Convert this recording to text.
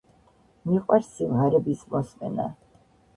მიყვარს სიმღერების მოსმენა.